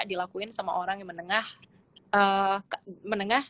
dilakuin sama orang yang menengah